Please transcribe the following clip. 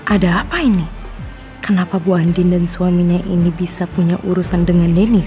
ada apa ini kenapa bu andin dan suaminya ini bisa punya urusan dengan dennis